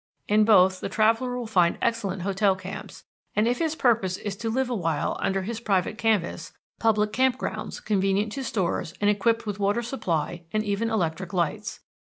In both the traveller will find excellent hotel camps, and, if his purpose is to live awhile under his private canvas, public camp grounds convenient to stores and equipped with water supply and even electric lights.